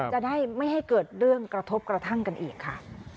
จะได้ไม่ให้เกิดเรื่องกระทบกระทั่งกันอีกค่ะ